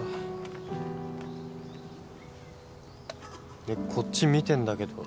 ねっこっち見てんだけど。